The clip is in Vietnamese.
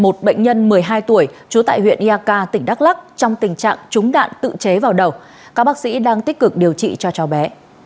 bệnh viện đã tiếp nhận một bệnh nhân một mươi hai tuổi trú tại huyện yaka tỉnh đắk lắc trong tình trạng trúng đạn tự chế vào đầu các bác sĩ đang tích cực điều trị cho cháu bé